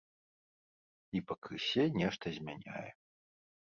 І пакрысе нешта змяняе.